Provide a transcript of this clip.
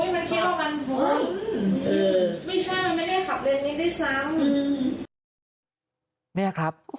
ไม่ใช่มันไม่ได้ขับเลนซ์นี้ซ้ำ